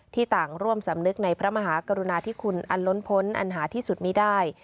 ต่างร่วมสำนึกในพระมหากรุณาธิคุณอันล้นพ้นอันหาที่สุดมีได้